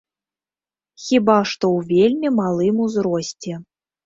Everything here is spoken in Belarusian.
Хіба што, у вельмі малым узросце.